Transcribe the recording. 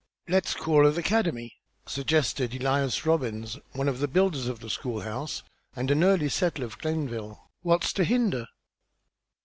"Les call 'er the 'cademy?" suggested Elias Robbins, one of the builders of the school house, and an early settler of Glenville. "What's to hinder?"